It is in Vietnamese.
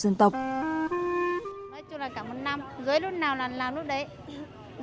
nói chung là cả một năm dưới lúc nào là làm lúc đấy